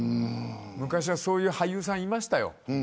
昔はそういう俳優さんがいました。